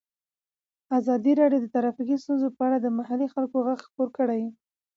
ازادي راډیو د ټرافیکي ستونزې په اړه د محلي خلکو غږ خپور کړی.